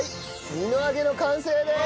みの揚げの完成です！